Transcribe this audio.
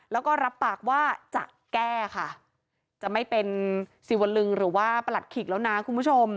แล้วก็รับปากว่าจะแก้ค่ะจะไม่เป็นสิวลึงหรือว่าประหลัดขิกแล้วนะคุณผู้ชม